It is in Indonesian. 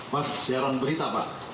mas siaran berita pak